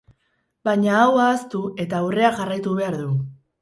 Baina hau ahaztu, eta aurrea jarraitu behar du.